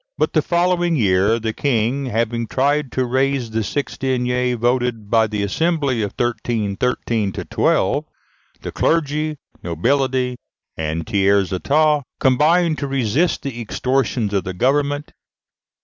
But the following year, the King having tried to raise the six deniers voted by the assembly of 1313 to twelve, the clergy, nobility, and tiers état combined to resist the extortions of the government.